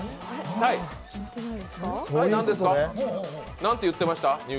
何て言ってました？